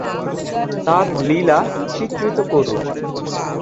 তার লীলা চিত্রিত করুন।